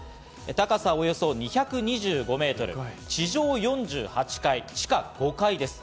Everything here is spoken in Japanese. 高さおよそ２２５ｍ、地上４８階、地下５階です。